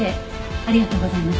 ありがとうございます。